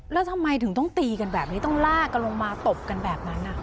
แล้วทำไมถึงต้องตีกันแบบนี้ต้องลากกันลงมาตบกันแบบนั้น